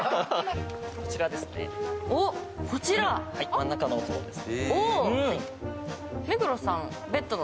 真ん中のお布団です。